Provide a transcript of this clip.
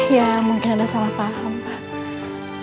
ya mungkin anda salah paham pak